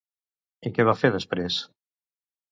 I què va fer després?